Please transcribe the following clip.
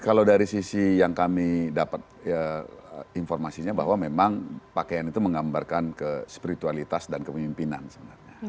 kalau dari sisi yang kami dapat informasinya bahwa memang pakaian itu menggambarkan ke spiritualitas dan kepemimpinan sebenarnya